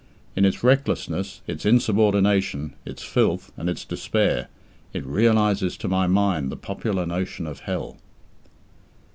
In its recklessness, its insubordination, its filth, and its despair, it realizes to my mind the popular notion of Hell.